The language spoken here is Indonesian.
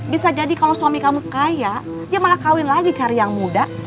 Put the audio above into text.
bisa jadi kalau suami kamu kaya ya malah kawin lagi cari yang muda